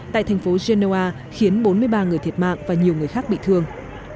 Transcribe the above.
tại thành phố genoa khiến bốn mươi ba người thiệt mạng và nhiều người khác bị thương